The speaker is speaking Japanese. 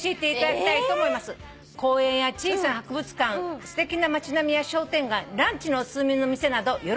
「公園や小さな博物館すてきな街並みや商店街ランチのお勧めの店などよろしく」